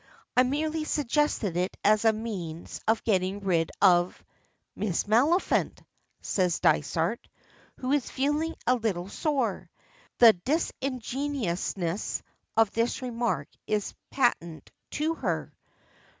I merely suggested it as a means of getting rid of " "Miss Maliphant," says Dysart, who is feeling a little sore. The disingenuousness of this remark is patent to her.